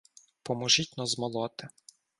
Поможіть-но змолоти!